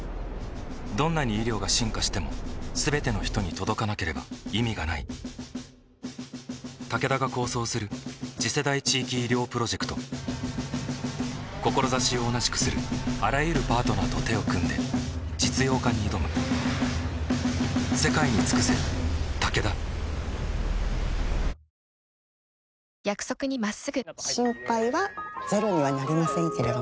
どんなに医療が進化しても全ての人に届かなければ意味がないタケダが構想する次世代地域医療プロジェクト志を同じくするあらゆるパートナーと手を組んで実用化に挑むありがとうございます。